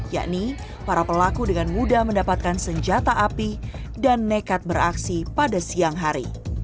yakni para pelaku dengan mudah mendapatkan senjata api dan nekat beraksi pada siang hari